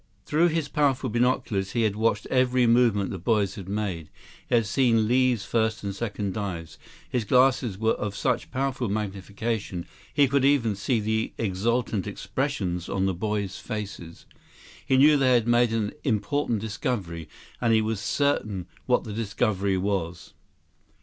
Through his powerful binoculars, he had watched every movement the boys had made. He had seen Li's first and second dives. His glasses were of such powerful magnification he could even see the exultant expressions on the boys' faces. He knew they had made an important discovery, and he was certain what the discovery was.